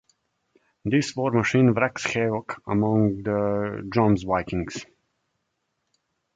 This war machine wreaks havoc among the Jomsvikings.